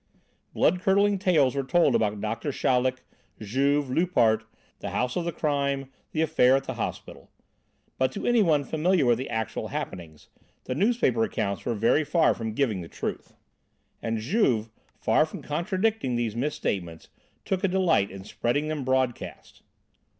Blood curdling tales were told about Doctor Chaleck, Juve, Loupart, the house of the crime, the affair at the hospital; but to anyone familiar with the actual happenings, the newspaper accounts were very far from giving the truth. And Juve, far from contradicting these misstatements, took a delight in spreading them broadcast.